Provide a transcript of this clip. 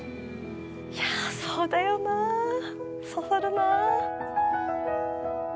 いやそうだよな刺さるな。